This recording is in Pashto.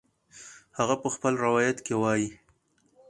هغه په خپل روایت کې وایي